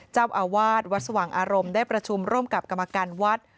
เจ้าอาวาสวัดสว่างอารมณ์ได้ประชุมร่วมกับกรรมการวัด